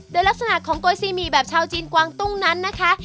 โดยลักษณะของโกยซีหมี่แบบชาวจีนกวางตุ้งนั้นนะคะ